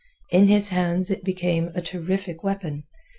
In his hands it became a terrific weapon.